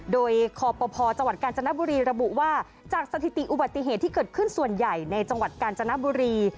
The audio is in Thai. โดยคอปภจังหวัดกาญจนบุรีระบุว่าจากสถิติอุบัติเหตุที่เกิดขึ้นส่วนใหญ่ในจังหวัดกาญจนบุรี